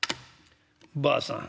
「ばあさん。